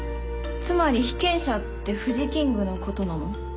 つまり被験者ってフジキングのことなの？